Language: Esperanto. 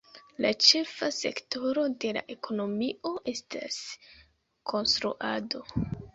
La ĉefa sektoro de la ekonomio estas konstruado.